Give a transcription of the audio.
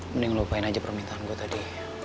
mending lupain aja permintaan gue tadi